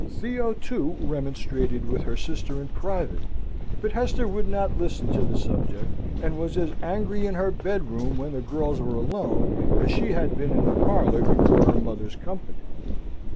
Theo, too, remonstrated with her sister in private; but Hester would not listen to the subject, and was as angry in her bedroom, when the girls were alone, as she had been in the parlour before her mother's company.